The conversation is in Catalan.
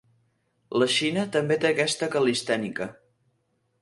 La Xina també té aquesta calistènica.